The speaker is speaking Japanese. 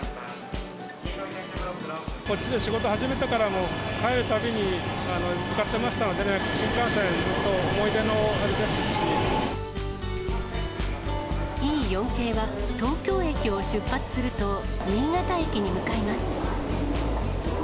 こっちで仕事始めてからも、帰るたびに使ってましたのでね、新幹線、Ｅ４系は、東京駅を出発すると、新潟駅に向かいます。